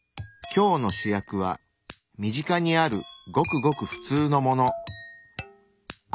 今日の主役は身近にあるごくごくふつうのもの。